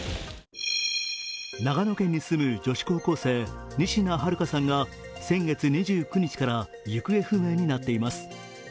長野県に住む女子高校生、仁科日花さんが先月２９日から行方不明になっています。